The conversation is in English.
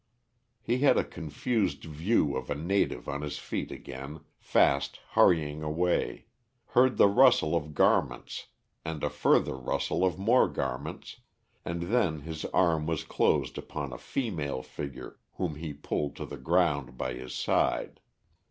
He had a confused view of a native on his feet again, fast hurrying away, heard the rustle of garments and a further rustle of more garments, and then his arm was closed upon a female figure whom he pulled to the ground by his side.